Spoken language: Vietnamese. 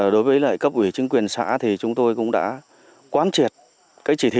đối với lại cấp ủy chính quyền xã thì chúng tôi cũng đã quán triệt cái chỉ thị